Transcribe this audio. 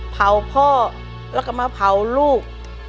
เผาพ่อแล้วก็มาเผาลูก